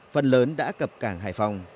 phần lớn đã cập cảng hải phòng